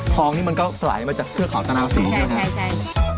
ทองนี้มันก็สลายมาจากเพื่อเขาตะนาวสีใช่ไหมครับ